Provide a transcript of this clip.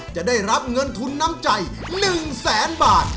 จะได้รับเงินทุนน้ำใจ๑แสนบาท